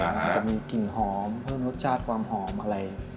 มันจะมีกลิ่นหอมเพิ่มรสชาติความหอมอะไร